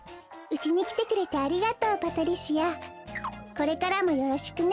これからもよろしくね。